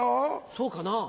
そうかなぁ。